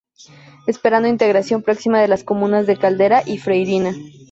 Esperando integración próxima de las comunas de Caldera y Freirina.